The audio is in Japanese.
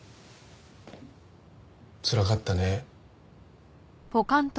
つらかったね。